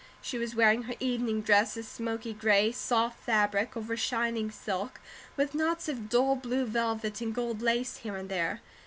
She was wearing her evening dress of smoky gray, soft fabric, over shining silk, with knots of dull blue velvet and gold lace here and there.